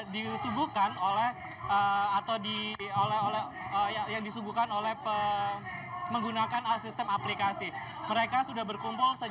jangan lupa untuk berlangganan